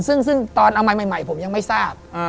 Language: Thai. ซึ่งตอนเอาใหม่ใหม่ผมยังไม่ทราบ